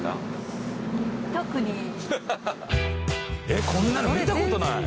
えっこんなの見たことない。